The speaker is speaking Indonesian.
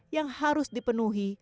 yang harus dipenuhi